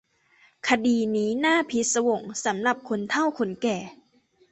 คดีนี้น่าพิศวงสำหรับคนเฒ่าคนแก่